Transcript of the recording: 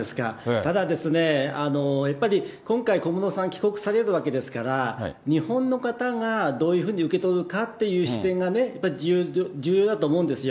ただですね、やっぱり今回、小室さん、きこくされるわけですから日本の方がどういうふうに受け取るかっていう視点が、やっぱり重要だと思うんですよ。